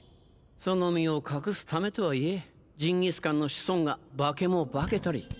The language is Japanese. その身を隠すためとはいえジンギスカンの子孫が化けも化けたり。